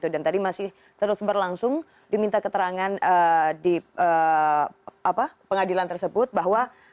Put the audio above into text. dan tadi masih terus berlangsung diminta keterangan di pengadilan tersebut bahwa